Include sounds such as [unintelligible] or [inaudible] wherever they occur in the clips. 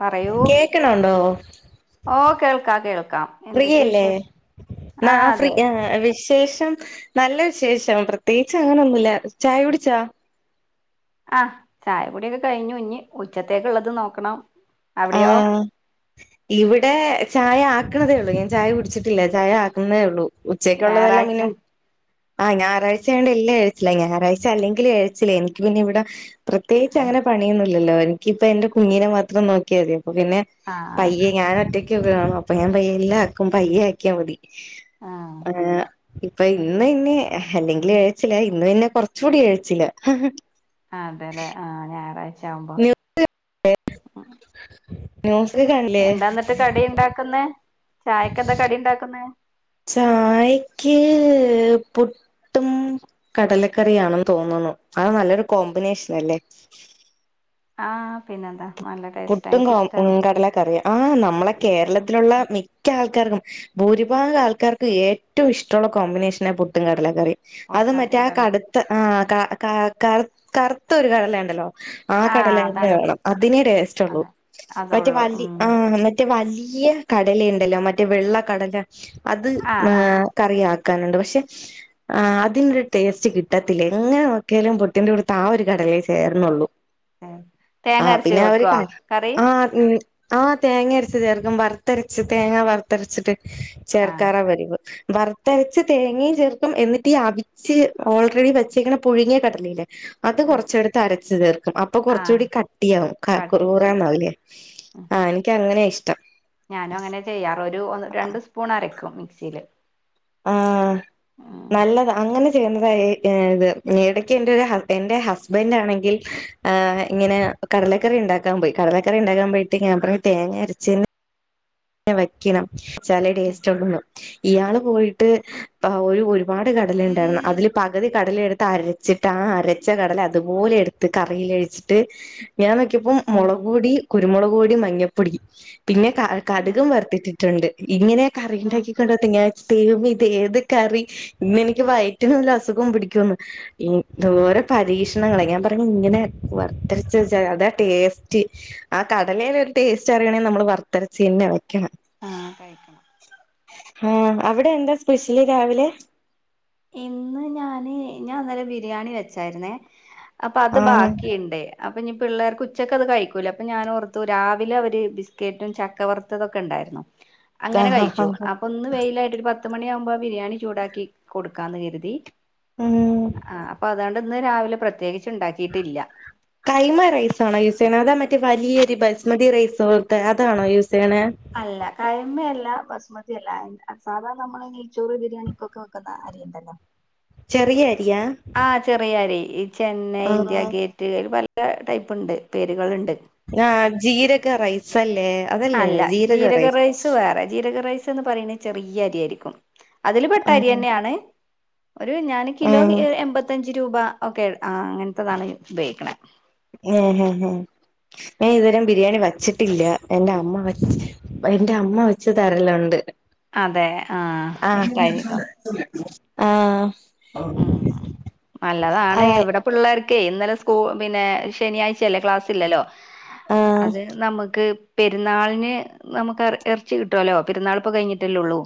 പറയൂ കേക്കണണ്ടോഹ് ഓ കേൾക്കാം കേൾക്കാം ഫ്രീ എന്തൊക്കെ യല്ലേ വിശേഷം ന ആ ഫ്രീ അതെ ആ വിശേഷം നല്ല വിശേഷം. പ്രത്യേകിച്ച് അങ്ങനെൊന്നുമില്ല. ചായ കുടിച്ചോ അഹ് ചായകുടി യൊക്കെ കഴിഞ്ഞു ഇഞ്ഞി ഉച്ചത്തേക്ക്ള്ളത് നോക്കണം. അവിടെയോ ഉം ഇവിടെ ചായ ആക്കുണതേയു ള്ളൂ ഞാൻ ചായ കു ടിച്ചിട്ടില്ല ചായ ആക്കുന്നേയുള്ളൂ ഉച്ചയ്ക്കുള്ളതെല്ലാം ഞായറാഴ്ച പിന്നെ ആഹ ഞായറാഴ്ചായണ്ട് എല്ലാം എ ഴിച്ചില ഞായറാഴ്ച അല്ലെങ്കി ലേ എഴിച്ചില എനിക്ക് പിന്നെ ഇവിടെ പ്രത്യേകി ച്ച് അങ്ങനെ പണിയൊന്നില്ലല്ലോ എനികി പ്പോ എന്റെ കുഞ്ഞിനെ മാത്രം നോക്കി ക്കിയ മതി അപ്പൊ പിന്നെ ആ പയ്യെ ഞാൻ ഒറ്റക്ക്.. അപ്പ ഞാൻയ്യെല്ലാം ആക്കും പയ്യെ ആക്കിയ മതി ആ ഇപ്പൊ ഇന്ന് ന്നെ ഹല്ലെങ്കിൽ എഴച്ചിലഇന്നപിന്നെ കൊറച്ച കൂടി എഴിച്ചില്ല ആ അതെല്ലേ ആഹ് ഞായറാഴ്ച ആവുമ്പോ ന്യൂസൽകണ് എന്താ ന്നിട്ട് കടി യുണ്ടാക്കുന്നെ ചായക്കെന്താ കടി ഉണ്ടാക്കുന്ന ചായക്ക്... പുട്ടും കടലക്കറിയാണ തോന്നുന്നു. അത് നല്ലൊരു കോമ്പിനേന ല്ലേ ആഹ് പിന്നെന്താ നല്ല ടെ എനിക്ക് ഷ്ടാ ണ് ക ടലറിയാ ആ നമ്മളെ കേരളത്തിലുള്ള മി മിക്കാ ൾക്കാർക്കും ഭൂരിഭാഗം ആൾക്കാർക്ക് ഏറ്റവും ഇഷ്ടവു ള്ള കോമ്പിനേഷന പുട്ടും കടല കറീം അത് പൊട്ടൻ മറ്റേ ആ കടല കടുത്ത ആ കറ കറുത്ത ഒരു കടല ണ്ടല്ലോ. ആ കടല തന്നെ വേണം അതിനെ ടേസ്റ്റ് ഉള്ളൂ അതെ മറ്റേ അതേള്ളൂ വല്ലി ഉം ആ മറ്റേ വലിയ കടല ഉണ്ടല്ലോ മറ്റേ വെള്ള കടല അത് ആ ഏ ആ കറിയാക്കാനുണ്ട് പക്ഷെ ആ അതിന്റൊരു ടേസ്റ്റ് കിട്ടത്തില്ല എങ്ങനെ നോക്കിയാലും പൊട്ടിന്റെ ടുത്ത് ആ ഒരു കടലേ ചേർന്നള്ളൂ. ശരി. അ തേങ്ങ അരച്ച് പിന്നെ അവര് വെക്കുവോ കറി ആഹ് ഉ ആഹ് തേങ്ങ അരച്ച ചേർക്കും വറുത്തരച്ച തേങ്ങ വറുത്തരച്ചിട്ട് ആ ചേർക്കാറ പതിവ് വർ തിരച്ച തേങ്ങയും ചേർക്കും എന്നിട്ട് അവിച്ച് ഓൾറെഡി വെച്ചിങ്ങനെ പുഴുങ്ങിയ കടലല്ലേ അത് ആ കുറച്ചുഎടുത്ത് അരച്ചു ചേർക്കും അപ്പൊ ആ കൊറച്ചുകൂടി കട്ടിയാവും ക കട്ടിയാവും കുറുറു [unintelligible] ഉം ആഹ് എനിക്ക്ങ്ങനെ ഇഷ്ടം ഞാനും അങ്ങനെ ചെയ്യാറ ഒരു ഒ രണ്ട് സ്പൂൺ അരക്കും മിക്സില് ആഹ് നല്ലത അങ്ങനെ ചെയ്യുന്നതാ ഏ ഏത് എ ടക്ക് എന്റെ ഒരു എന്റെ ഹസ്ബൻന്റെ ആണെങ്കിൽ ആഹ് ഇങ്ങനെ കടലക്കറി ഉണ്ടാക്കാൻ പോയി കടലക്കറി ഉണ്ടാക്കാൻ പോയിട്ട് ഞാൻ പറഞ്ഞ്തേങ്ങ അരച്ച് വെക്കണം ചലെ ഉം ടേസ്റ്റ് ഉള്ളൂ ഇയാള് പോയിട്ട് ഒരു ഒരു ഒരുപാട് കടല ഉണ്ടായിരുന്നു അതില് പകുതി കടലെടുത്ത് അരച്ചിട്ട് ആ അരച്ച കടല അതുപോലെ എടുത്ത് കറിൽ ഒഴിച്ചിട്ട് ഞാൻ നോക്കിയപ്പോം ആഹ് മുളക് പൊടി കുരുമുളക് പൊടി മഞ്ഞപ്പൊടി പിന്നെ ഉം കടുകും വർത്തിട്ട് ണ്ട് ഇങ്ങനെയൊക്കെ കറി ഉം ഉണ്ടാക്കി വന്നത്തേമം ഇതേത് കറി ഇന്നെനിക്ക് വയറ്റിനല്ല അസുഖം പിടിക്കുംന്ന് ഈ ദോര പരീക്ഷണങ്ങളെ ഞാൻ പറഞ്ഞ ഇങ്ങനെ വർത്തെരിച്ചച്ചാ അതാ ടേസ്റ്റ് ആ കടലേൽ ഒരു ടേസ്റ്റ് അറിയണെങ്കി നമ്മള് വർത്തരച്ചീന്നെ വെക്കണം അങ്ങനെ കഴിക്കണം ആഹ് അവിടെ എന്താ സ്പെഷ്യല് രാവിലെ ഇന്ന് ഞാന് ഞാൻ അന്നര ബിരിയാണി വെച്ചായിരുന്നേ അപ്പൊ അത് ആഹ് ബാക്കി ഉണ്ടേ അപ്പൊ ഇനി പിള്ളേർക്ക് ഉച്ചയ്ക്കെ അത് കഴിക്കൂലേ അപ്പൊ ഞാൻഓർത്തു രാവിലെ അവര് ബിസ്ക്കറ്റും ചക്കവറുത്തതൊക്കെ ഉണ്ടായിരുന്നു [inaudible] അങ്ങനെ ആഹ് ആഹ് കഴിച്ചു ആഹ് അപ്പൊ ഒന്ന് വെയിലായിട്ട് ഒരു പത്ത് മണിയ ആകുമ്പോ ബിരിയാണി ചൂടാക്കി കൊടുക്കാന്ന് കരുതി ഉം ആഹ് അപ്പൊ അതൊണ്ട് ഇന്ന് രാവിലെ പ്രത്യേകിച്ച ഉണ്ടാക്കിയിട്ടില്ല കൈമ റൈസ് ആണോ യൂസ് ചെയ്യണ അതാ മറ്റേ വലിയൊരു ബസ്മതി റൈസക്കെ അതാണോ യൂസ് ചെയ്യണ അല്ല കായ്മയല്ല ബസ്മതിയല്ല സാധാരണ നമ്മള് നെയച്ചോറ് ബിരിയാണിപ്പോക്കെ വെക്കുന്ന അരി ഉണ്ടല്ലോ ചെറിയ അരിയ ആഹ് ചെറിയ അരി ഈ ചെന്നൈ ഇന്ത്യ ആഹ് ഗേറ്റ് പല ടൈപ്പ്ണ്ട് പേരുകളൾണ്ട് ആഹ് ജീരക റൈസ് ല്ലേ അല്ല ജീരക റൈസ് വേറെ ജീരക റൈസ് ന്ന് പറയുന്ന ചെറിയ അരിയായിരിക്കും അതില് പെട്ട അരി ആഹ് തന്നെയാണ് ഒരു ഞാന് കിലോ ആഹ് എൺമ്പത്തഞ്ച് രൂപ ഒക്കെ ആ അങ്ങനത്തെതാണ് ഉപയോഗിക്കണ ഹെ ഹെ ഹെ ഞാൻ ഇതുവരെ ബിരിയാണി വച്ചിട്ടില്ല എന്റെറെ അമ്മ വ എന്റെ അമ്മ വെച്ച് തരലുണ്ട് അതെ ആ ആഹ് ഇഷ്ടായിരിക്കും ആഹ് ഉം നല്ലതാണ് ആഹ് ഇവിടെ പിള്ളേർക്കേ ഇന്നലെ സ്കൂ പിന്നെ ശനിയാഴ്ചയല്ലേ ക്ലാസ്സില്ലല്ലോ ആഹ് അത് നമുക്ക് പെരുന്നാളിന് നമുക്ക് ഇറച്ചി കിട്ടുവല്ലോ പെരുന്നാൾ ഇപ്പൊ കഴിഞ്ഞിട്ടല്ലേ ഉള്ളൂ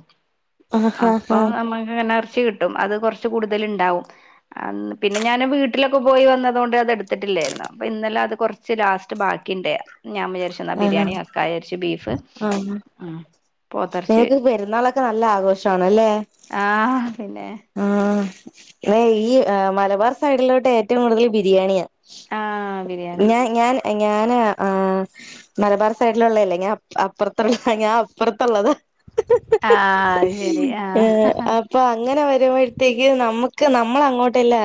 ആഹ് ആഹ് അപ്പൊ നമ്മക്ക് ഇങ്ങനെ എറച്ചി കിട്ടും അത് കുറച്ച് കൂടുതൽ ഉണ്ടാവും പിന്നെ ഞാൻ വീട്ടിലൊക്കെ പോയി വന്നത കൊണ്ട് അത് എടുത്തിട്ടില്ലായിരുന്നു അപ്പൊ ഇന്നലെ അത് കുറച്ച് ലാസ്റ്റ് ബാക്കിണ്ട ഞാൻ വിചാരിച്ചു എന്നാ ആഹ് ബിരിയാണി വെക്ക വിചാരിച്ചു ബീഫ് ഉ നിങ്ങക്ക് പെരുന്നാളൊക്കെ നല്ല ആഘോഷണല്ലേ ആഹ് പിന്നെ ആഹ് [unintelligible] ഈ ഏഹ് മലബാർ സൈഡിലോട്ട് ഏറ്റോം കൂടുതൽ ബിരിയാണിയാ ആഹ് ബിരിയാണി ഞാൻ ഞാൻ ഞാന് ആഹ് മലബാർ സൈഡിലൊള്ളല്ലേ ഞാൻ അപ് അപ്പുറത്തുള്ളതാ ഞാൻ അപ്പറത്തുള്ളത ആഹ് അത് ശെരി ഏഹ് ആഹ് അപ്പൊ അങ്ങനെ വരുമ്പോഴത്തേക്കു നമ്മുക്ക് നമ്മള അങ്ങോട്ടല്ല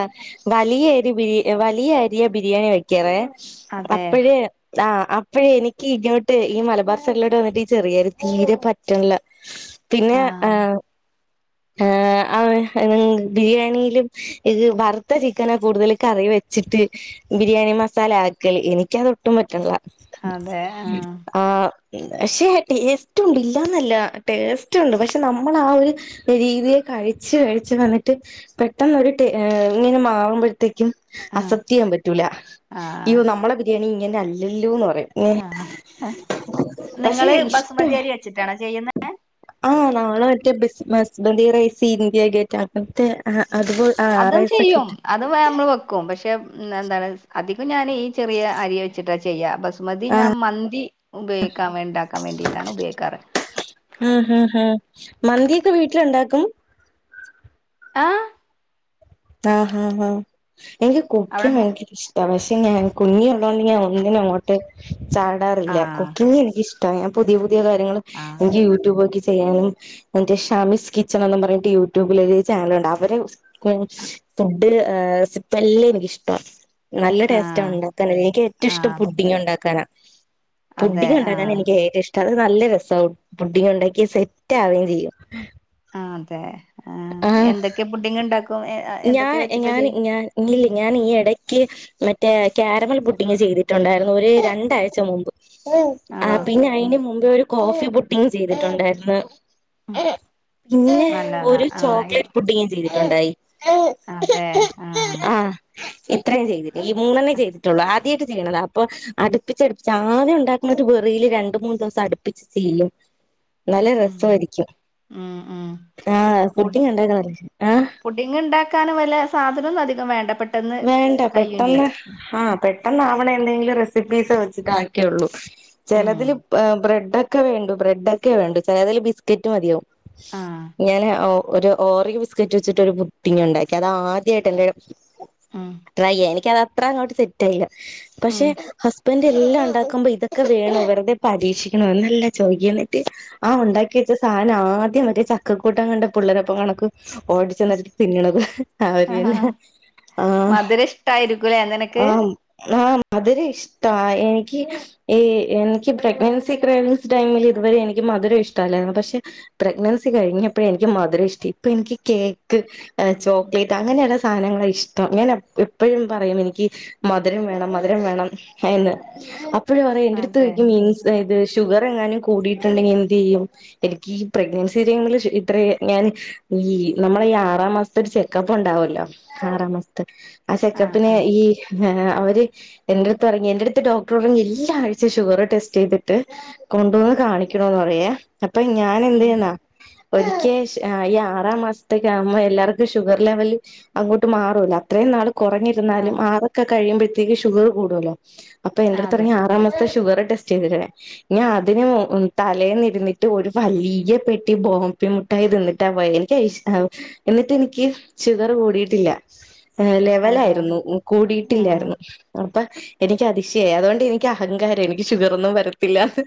വലിയരി ബിരി വലിയ അരിയ ബിരിയാണി വെക്കറെ അതെ അപ്പഴ് ആഹ് അപ്പഴ് എനിക്കി ഇങ്ങോട്ട് ഈ മലബാർ സഡിലോട്ട് വന്നിട്ട് ഈ ചെറിഅരി തീരെ പറ്റണ്ല്ല പിന്നെ ആഹ് ഏഹ് അവ [unintelligible] ബിരിയാണിലും ഇത് വറുത്ത ചിക്കനാകൂടുതൽ കറി വെച്ചിട്ട് ബിരിയാണി മസാല ആക്കല് എനിക്ക് അത് ഒട്ടും പറ്റ്ണ്ല്ല അതെ ആഹ് ആഹ് ഇണ്ട് പക്ഷേ ടേസ്റ്റ് ഉണ്ട് ഇല്ലന്നല്ല ടേസ്റ്റ് ഉണ്ട് പക്ഷെ നമ്മളാ ഒരു രീതിയി കഴിച്ചു കഴി ച്ച് വന്നിട്ട് പെട്ടെന്ന് ഒരു ടെ ഏഹ് ഇങ്ങനെ മാറുമ്പഴത്തേക്കും ആഹ് അസെപ്റ്റ് ചെയ്യാൻ പ റ്റൂല ഇയ്യോ ആഹ് നമ്മളെ ബിരിയാണി ഇങ്ങനെ അല്ലല്ലോന്ന് പറയും ആഹ് അഹ് നിങ്ങള് ബസുമതി അരി വെച്ചിട്ടാണോ ചെയ്യുന്നെ ആഹ് നാമ്മൾ മറ്റേ ബേസ് ബസ്മതി റൈസ്‌ ഇന്ത്യ ഗേ റ്റാകത്തെ അഹ അതുപോല് അതും ചെയ്യും അതു വെ നമ്മൾ വെക്കും പക്ഷെ എന്താണ് അധികം ഞാൻ ഈ ചെറിയ അരി വെച്ചിട്ടാ ചെയ്യാ ബസ് മതി ഞാൻ ആഹ് മന്തി ഉപയോക്കാ ഉണ്ടാക്കാൻ വേണ്ടിയിട്ടാണ് ഉപയോഗിക്കാറ് അഹ് അഹ് അഹ് മന്തിയൊക്കെ വീട്ടിലുണ്ടാക്കും ആഹ് ആഹ് ആഹ് അഹ് എനിക്ക് കുക്കിംഗ് അവിടെണ്ട ഭയങ്കര ഇഷ് ട പക്ഷേ ഞാൻ കുഞ്ഞി ഒള്ളോണ്ട് ഞാൻ ഒന്നിനും അങ്ങോട്ട് ചാടാറില്ല ആഹ് കുക്കിംഗ് എനിക്ക് ഇഷ് ട ഞാൻ പുതിയ പുതിയ കാര്യങ്ങള് ആഹ് എനിക്ക് യൂട്യൂബ് നോക്കി ചെയ്യാനും മറ്റെ ഷാമിസ് കിച്ചൺന്ന് പറട്ട് യൂട്യൂബിലൊരു ചാനലുണ്ട് അവരെ ഫുഡ് ഏഹ് റെസിപ്പി എല്ലാം എനിക്കിഷ്ടവാ നല്ല ടേസ്റ്റാ ആഹ് ഉണ്ടാക്കാന എനിക്ക് ഏറ്റവും ഇഷ്ടം ആഹ് ഫുഡിങ് ഉണ്ടാക്കാനാ അതെ പുഡിംഗ് ഉണ്ടാകാനാ ആഹ് എനിക്ക് ഏറ്റോം ഇഷ് ട്ട് അത് നല്ല രസം പുഡിംഗ് ഉണ്ടാക്കി സെറ്റ് ആവുകയും ചെയ്യും ആഹ് അതെ ആഹ് എന്തൊക്കെ പുഡിംഗ് ഉണ്ടാക്കും ഏഹ് ആഹ് ഞാ ഏഹ് ഞാന് ഞാൻ ഇല്ലെ ഞാന് ഈ എടക്ക് മറ്റേ കാരമൽ പുഡിംഗ് ചെയ്തിട്ടുണ്ടാരുന്നു ഒരു രണ്ടാഴ്ച മുമ്പ് ആഹ് ആണോ പിന്നെ ഉം അയിന് മുമ്പേ ഒരു കോഫി പുഡിംഗ് ചെയ്തിട്ടുണ്ടാരുന്നു ഉം പിന്നെ നല്ലതാ ഒരു ആഹ് ചോക്ലേറ്റ് പുഡിങ്ങും ചെയ്തിട്ടുണ്ടായി ആഹ് ഇത്രം ചെയ്തിട്ട് ഈ മൂന്നണേ ചെയ്തിട്ടുള്ളൂ ആ ദ്യയാട്ട് ചെയ്യണത അപ്പൊ അടുപ്പിച്ച് അടുപ്പിച്ച് ആദ്യം ഉണ്ടാക്കുന്ന ഒരു വെറിയിൽ രണ്ട് മൂന്ന് ദിവസം അടുപ്പിച്ച് ചെയ്യും നല്ല ഉം രസരിക്കും ഉം ഉം ആഹ് ഫുഡിംഗ് ഉണ്ടാക്കനാല്ലേ ആഹ് ഫുഡിങ് ഉണ്ടാക്കാൻ വല സാധനം ഒന്നും അധികം വേണ്ട പെ വേണ്ട പെട്ടെന്ന് ആഹ് പെട്ടെന്ന് അവാണ എന്തെങ്കിലും റെസിപ്പീസ് വെച്ചിട്ട ആക്കിയ ഒള്ളൂ ഉം ചിലതിൽ ഏഹ് ബ്രെഡ് ഒക്കെ വേണ്ടു ബ്രെഡ് ഒക്കെ വേണ്ടു ചിലതിൽ ബിസ്ക്കറ്റ് മതിയാവും ആഹ് ഞാന് ഒ ഒരു ഓറിയോബിസ്കറ്റ് വെച്ചിട്ട് ഒരു പു സിംങ്ങ് ഉണ്ടാക്കി. അത് ആദ്യമായിട്ട് എന്റെ ഉം ട്രൈ ചെയ്യ. എനിക്കത് അത്ര അങ്ങോട്ട് സെ സെറ്റയില്ല പക്ഷെ ഉം ഹസ് ഹസ്‌ബന്റ് എല്ലാം ഉണ്ടാക്കുമ്പോ ഇതൊക്കെ വേണം. വെറുതെ പരീക്ഷിക്കണോ എന്നല്ല ചോദിക്കന്നിട്ട് ആ, ഉണ്ടാക്കി വെച്ച സാധനം ആദ്യം ഒറ്റേ ചക്കക്കൂട്ടം കണ്ട പിള്ളേരൊപ്പ കണക്ക് ഓടിച്ചെന്നിട്ട് തിന്നണത്. അവരെന്നെ ആഹ് ആ, മധുരം ഇഷ്ടായിരിക്കൂലേ നിനക്ക് ആം. ആം. അതൊരിഷ്ടാ എനിക്ക് ഏയ്‌ എനിക്ക് പ്രഗ്നൻസി ട്രയൽസ് ടൈമിൽ ഇതുവരെ എനിക്ക് മധുരം ഇഷ്ടമല്ലായിരുന്നു. പക്ഷേ പ്രഗ്നൻസി കഴിഞ്ഞപ്പോഴ എനിക്ക് മധുരം ഇഷ്ടം. ഇപ്പോ എനിക്ക് കേക്ക് ചോക്ലേറ്റ് അങ്ങനെയുള്ള സാധനങ്ങള ഇഷ് ഇഷ്ട്ടം ഞാൻ എപ്പോഴും പറയും എനിക്ക് മധുരം വേണം മധുരം വേണം എന്ന് അപ് അപ്പോഴും പറയും എന്റെടുത്ത് അതെ ഇൻസ് ഇത് ഷുഗർ എങ്ങാനും കൂടിട്ടുണ്ടെങ്കിൽ എന്ത് ചെയ്യും? എനിക്ക് ഈ പ്രഗ്നൻസി ടെയ്മിൽ ശ ഇത്ര ഞാൻ ഈ നമ്മള ഈ ആറാം മാസം ഒരു ചെക്കപ്പ് ഉണ്ടാവല്ലോ? ആറാം മാസത്തെ ആ ആഹ് ചെക്കപ്പിന് ആഹ് ഈ അവര് എന്റെ അടുത്ത് പറയും എന്റെ അടുത്ത് ഡോക്ടർ പറയും എല്ലാ ആഴ്ച്ചയും ഷുഗർ ടെസ്റ്റ് ചെയ്തിട്ട് കൊണ്ടുവന്ന് കാണിക്കണോന്ന് പറയെ അപ്പോ ഞാൻ എന്ത് ഉം ചെയ്യുന്നാ ഒരിക്കേ ഈ ആറാം മാസത്തേക്ക് അമ്മ എല്ലാർക്കും ഷുഗർ ലെവൽ അങ്ങോട്ട് മാറൂല്ലോ? അത്രയും നാൾ ആഹ് കുറഞ്ഞിരുന്നാലും ആറ് ഒക്കെ കഴിയുമ്പഴത്തേക്ക് ഷുഗർ കൂടുല്ലോ? അപ്പോ എന്റെടുത്ത് അതെ പറയും ആറാം മാസത്തെ ഷുഗർ ടെസ്റ്റ് ചെയ്ത് വരാൻ ഞ അതിന് തലേന്നിരുന്നിട്ട് ഒരു വലിയ പെട്ടി ബോംബി മി മിട്ടായി തിന്നിട്ടാ പോയെ എനിക്ക് അതിഷ്ട്ടാ എന്നിട്ട് ഇനി ഇനി യ്ക്ക് ഷുഗർ കൂടിയിട്ടില്ല. അതെ ലെവലായിരുന്നു. ആഹ് കൂടിയിട്ടില്ലായിരുന്നു. അപ്പോ എനിക്ക് അതിശയായി അതോണ്ട് എനിക്ക് അഹങ്കാരയി എനിക്ക് ഷുഗറൊന്നും വരത്തില്ലാന്ന്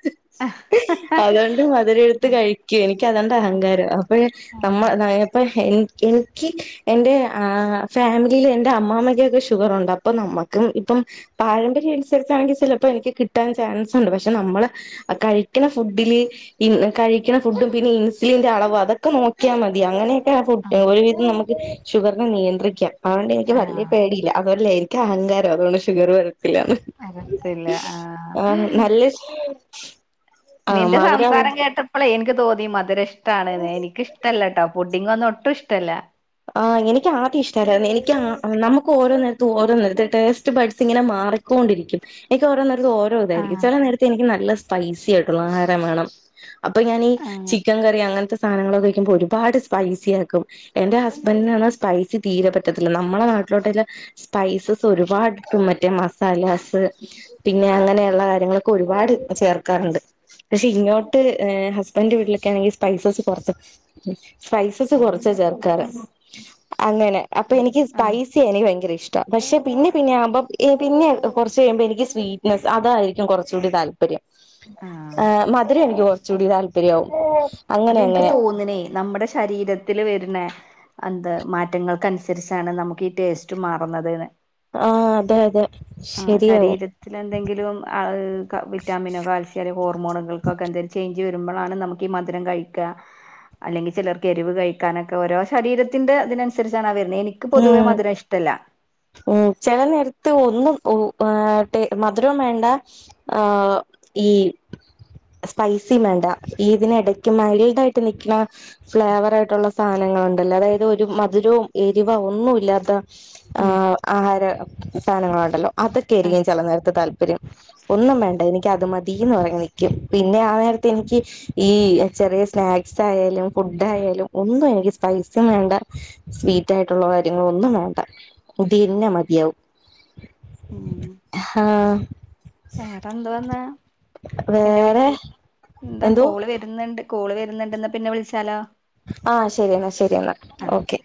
അഹ, അഹ, അഹ. ഒരു മധുരടുത്ത് കഴിക്ക് എനിക്കതന്റെ അഹങ്കാരം അപ്പഴേ ആഹ് നമ്മള ന എപ്പ എ എനിക്ക് എന്റെ ആ ഫാമിലിൽ എന്റെ അമ്മാമ്മയ്ക്കൊക്കെ ഷുഗറുണ്ട്. അപ്പോ നമ്മക്കും ഇപ്പം പാരമ്പര്യ അനുസരിച്ചാണെങ്കിൽ ചിലപ്പോ എനിക്ക് കിട്ടാൻ ചാൻസ്ണ്ട് പക്ഷെ നമ്മള് കഴിക്കണ ഫുഡില് ഇന്ന് കഴിക്കണ ഫുഡും പിന്നെ ഇൻസുലിൻന്റെ അളവ് അതൊക്കെ നോക്കിയാൽ മതി അങ്ങനെ അങ്ങനെക്കെ ഒരു വിധം നമുക്ക് ഷുഗറിനെ നിയന്ത്രിക്കാം. അതൊണ്ട് എനിക്ക് വല്ല്യേ ആഹ് പേടിയില്ല. അതൊരു ലൈ എനിക്ക് അഹങ്കാരാ അതൊണ്ട് ഷുഗർ വരത്തില്ലാന്ന്. വരത്തില്ല. ആഹ് ആ [inaudible] ആ നിന്റെ മധുരം സംസാരം കേട്ട കെട്ട പ്പളെ എനിക്ക് തോന്നി മധുരം ഇഷ്ട്ടാണ് ന്ന്. എനിക്കിഷ്ടല്ലാട്ടോ? പുഡിങ്ങൊന്നും ഒട്ടും ഇഷ്ടല്ല. ആ, എനിക്ക് ആദ്യം ഇഷ്ടല്ലായിരുന്നു. എനിക്ക് നമുക്ക് ഓരോ നേരത്തും ഓരോ നേരത്തെ ടെേസ്റ്റ് ബഡ്സ് ഇങ്ങനെ മാറി മാറി ക്കൊണ്ടിരിക്കും. എനിക്ക് ഓരോ നേരത്തു ഓരോ ഒരോ തായിരിക്കും ആഹ് ചെല നേരത്ത് എനിക്ക് നല്ല സ്പൈസി ആയിട്ടുള്ള ആഹാരം വേണം. അപ്പോ ഞാനീ ആഹ് ചിക്കൻ കറി അങ്ങനത്തെ സാധനങ്ങളൊക്കെ കഴിക്കുമ്പോൾ ഒരുപാട് സ്പൈസി ആക്കും. എന്റെ ഹസ്‌ ഹസ് ബന്റിന് പറഞ്ഞ സ്പൈസി തീരെ പറ്റത്തില്ല. നമ്മളെ നാട്ടിലോട്ടല്ല സ്പൈസസ് ഒരുപാട്ട്ടും. മറ്റേ മാ മസലാസ് പിന്നെ അങ്ങനെയുള്ള കാര്യങ്ങളൊക്കെ ഒരുപാട് ചേർക്കാറുണ്ട്. പക്ഷേ ഇങ്ങോട്ട് ഏ ഹസ് ഹസ്ബന്റിന്റെ വീട്ടിലൊക്കൊണെങ്കിൽ സ്പൈസസ് കൊറച്ച് സ്പൈസസ് കൊറച്ച ചേർക്കാറ്. അങ്ങനെ അപ്പോ എനിക്ക് സ്പൈ ആഹ് സ്‌പൈസി എനിക്ക് ഭയങ്ക ഇഷ്ട. പക്ഷെ പിന്നെ പിന്നെ ആവു മ്പോ പിന്നെ കൊറച്ച് കഴിയുമ്പോ എനിക് സ്വീ നസ് അതായിരിക്കും കൊറചൂടെ താല്പര്യം ആഹ് ഏ മധുരൊ എനിക്ക് കൊറചൂടി താല്പര്യ ആവും അതെനിക്ക് തോന്നണേ നമ്മടെ ശരീരത്തി ത്തില് വെരുന്ന എന്ത് മാറ്റങ്ങൾക്കനുസരിച്ചാണ് നമുക്ക് ഈ ടേസ്റ്റ് മാറുന്നത് ന് ആഹ് അതെ അതെ ശരിയാവും ത്തിലെന്തെങ്കിലും അത് വിറ്റാമിനോ കാൽസ്യോ അല്ലേ ഹോർമോണുകൾക്കൊക്കെ എന്തെങ്കിലും ചെയ്ഞ്ച് വരുമ്പളാണ് നമുക്ക് ഈ മധുരം കഴിക്ക അല്ലെങ്കി ചെലർക്ക് എരിവ് കഴിക്കാനൊക്കെ ഓരോ ശരീരത്തിന്റെ തിനനസരിച്ചാണ് ആ വെരുന്നത് എനിക്ക് എനിക്ക് പൊതുവേ ഉം മധുര ഇഷ്ടല്ല ഉം ചെല നേരത്ത് ഒന്നുംഏഹ് ട്ടെ മധുരം വേണ്ട ആഹ് ഈ സ്പൈസി വേണ്ട ഇതിനടയ്ക്ക് മയ്ൽട്ടായിട്ട് നിക്ക്ണ ഫ്ലേവറായിട്ടുള്ള സാധനങ്ങള്ണ്ടല്ലോ അതായത് ഒരു മധുരവും എരിവെ ഒന്നുല്ലാത്ത ആ ഉം ആഹാര സാധനങ്ങളുണ്ടല്ലോ അതൊക്കെയായിരിക്കും ചെല നേരത്ത് താല്പര്യം ഒന്നും വേണ്ട എനിക്ക് അത് മതിന്ന് പറഞ്ഞഞ് നിക്കും പിന്നെ ആ നേരത്തെ എനിക്ക് ഈ ചെറിയ സ്നാക്സ് ആയാലും ഫുഡ ആയാലും ഒന്നും എനിക്ക് പൈസ വേണ്ട സ്വീറ്റ് ആയിട്ടുള്ള കാര്യങ്ങള ഒന്നും വേണ്ട ഇതിന്നെ മതിയാവും ഉം ആഹ് വേറെ എന്ത്വന്നാ പിന്നെ വേറെ വിളിക്ക എന്താ എന്തോ കോള് വ വരുന്നുണ്ട് കോള് വരുന്നുണ്ട്ന്ന പിന്നെ വിളിച്ചാലോ ആഹ് ശരിയെന്നാ ശരിയെന്നാ ആ ഓക്കെ